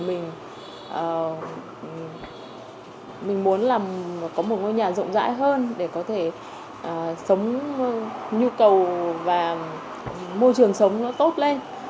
mình muốn là có một ngôi nhà rộng rãi hơn để có thể sống nhu cầu và môi trường sống nó tốt lên